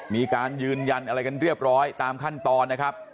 มีการยืนยันอะไรกันเรียบร้อยตามขั้นตอนนะครับ